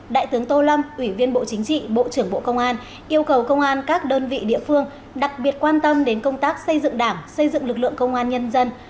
đại tướng tô lâm ủy viên bộ chính trị bộ trưởng bộ công an yêu cầu công an các đơn vị địa phương đặc biệt quan tâm đến công tác xây dựng đảng xây dựng lực lượng công an nhân dân